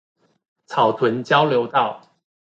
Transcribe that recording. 草屯交流道